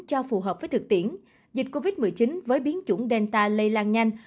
cho phù hợp với thực tiễn dịch covid một mươi chín với biến chủng delta lây lan nhanh